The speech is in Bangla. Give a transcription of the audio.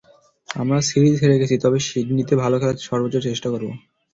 আমরা সিরিজ হেরে গেছি, তবে সিডনিতে ভালো খেলার সর্বোচ্চ চেষ্টা করব।